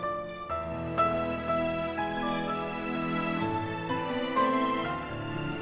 biasa biasanya itu deu pilih pas dengan kakak saya